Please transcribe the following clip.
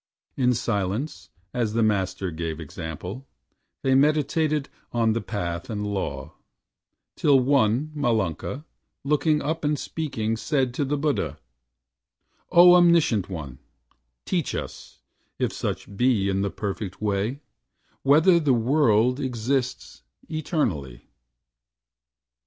In silence , as the Master gave example, They meditated on the Path and Law, Till one, Malunka, looking up and speaking, Said to the Buddha: "O Omniscient One, Teach us, if such be in the Perfect Way, Whether the World exists eternally."